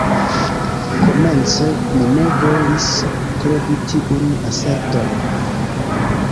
Komence mi ne volis kredi tiun aserton.